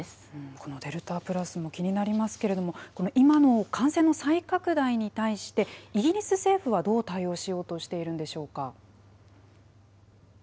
このデルタ・プラスも気になりますけれども、今の感染の再拡大に対して、イギリス政府はどう対応しようとしているんでしょうか。